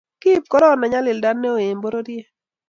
Kiib corona nyalinda neo eng pororiet